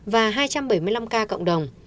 và hai trăm bảy mươi năm ca cộng đồng